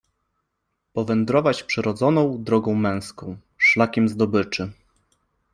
powędrować przyrodzoną drogą męską - szlakiem zdobyczy.